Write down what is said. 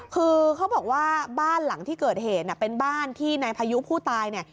คือเขาบอกว่าบ้านหลังที่เกิดเหตุเป็นบ้านที่ในพายุผู้ตาย